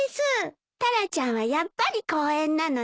タラちゃんはやっぱり公園なのね。